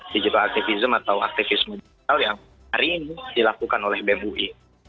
digital activism atau aktivis digital yang hari ini dilakukan oleh bem ui